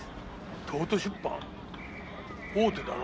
東都出版大手だな。